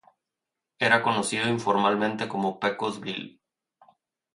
Era conocido informalmente como "Pecos Bill".